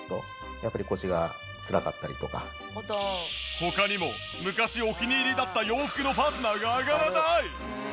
他にも昔お気に入りだった洋服のファスナーが上がらない。